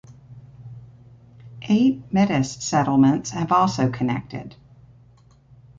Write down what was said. Eight Metis settlements have also connected.